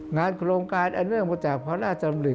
งานโครงการอันเนื่องมาจากพระราชดำริ